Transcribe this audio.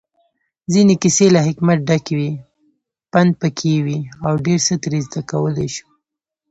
ځينې کيسې له حکمت ډکې وي، پندپکې وي اوډيرڅه ترې زده کولی شو